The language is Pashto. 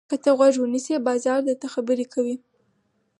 که ته غوږ ونیسې، بازار درته خبرې کوي.